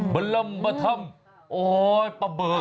บำลำมะทำโอ้ยปลาเบ๊ย์